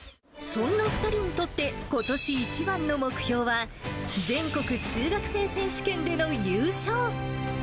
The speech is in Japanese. そんな２人にとって、ことし一番の目標は、全国中学生選手権での優勝。